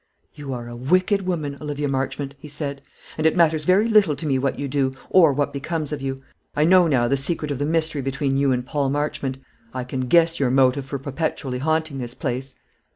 "You are a wicked woman, Olivia Marchmont," he said; "and it matters very little to me what you do, or what becomes of you. I know now the secret of the mystery between you and Paul Marchmont. I can guess your motive for perpetually haunting this place."